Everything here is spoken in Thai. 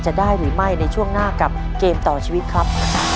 จะได้หรือไม่ในช่วงหน้ากับเกมต่อชีวิตครับ